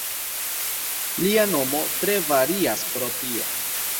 Lia nomo tre varias pro tio.